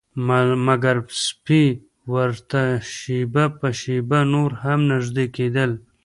مګر سپي ورته شیبه په شیبه نور هم نږدې کیدل